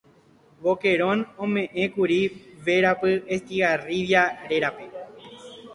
Boquerón omeʼẽkuri verapy Estigarribia rérape.